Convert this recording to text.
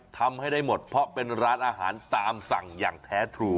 ทำให้ได้หมดเพราะเป็นร้านอาหารตามสั่งอย่างแท้ถูก